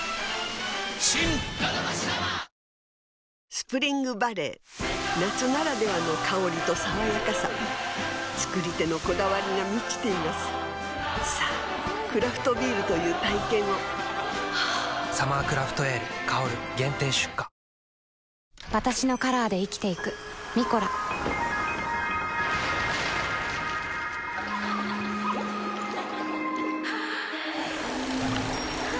スプリングバレー夏ならではの香りと爽やかさ造り手のこだわりが満ちていますさぁクラフトビールという体験を「サマークラフトエール香」限定出荷オホホホ！